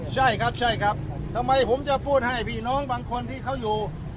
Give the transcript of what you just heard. ใช่ครับใช่ครับทำไมผมจะพูดให้พี่น้องบางคนที่เขาอยู่